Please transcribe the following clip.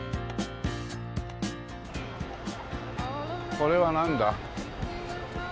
これはなんだ？